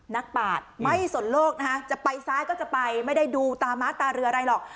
ปาดไม่สนโลกนะฮะจะไปซ้ายก็จะไปไม่ได้ดูตาม้าตาเรืออะไรหรอก